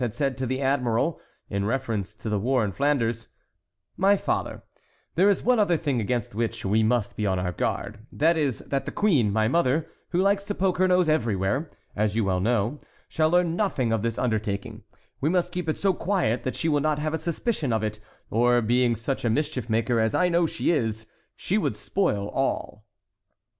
had said to the admiral, in reference to the war in Flanders, "My father, there is one other thing against which we must be on our guard—that is, that the queen, my mother, who likes to poke her nose everywhere, as you well know, shall learn nothing of this undertaking; we must keep it so quiet that she will not have a suspicion of it, or being such a mischief maker as I know she is, she would spoil all."